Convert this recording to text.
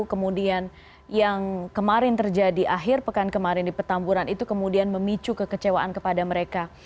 kemudian yang kemarin terjadi akhir pekan kemarin di petamburan itu kemudian memicu kekecewaan kepada mereka